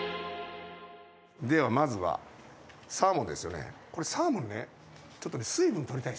ではまずはサーモンですよねこれサーモンね